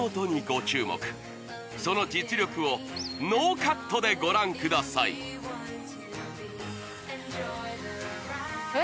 その実力をノーカットでご覧ください・え！